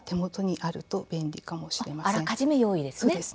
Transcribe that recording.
あらかじめ用意ですね。